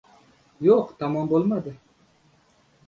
Yo‘q, tamom bo‘lmadi.